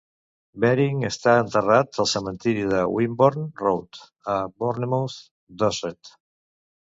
Baring està enterrat al cementiri de Wimborne Road, a Bournemouth (Dorset).